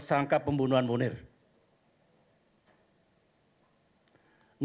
lima miliar ribuan kontsen